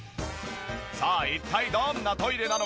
さあ一体どんなトイレなのか？